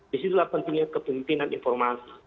disitulah pentingnya kepemimpinan informasi